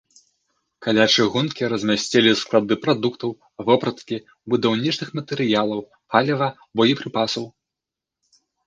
Каля чыгункі размясцілі склады прадуктаў, вопраткі, будаўнічых матэрыялаў, паліва, боепрыпасаў.